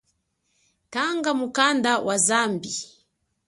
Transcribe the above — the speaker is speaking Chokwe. Tanga mukanda wa zambi.